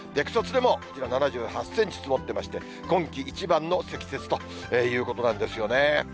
草津でもこちら７８センチ積もってまして、今季一番の積雪ということなんですよね。